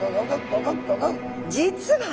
実は！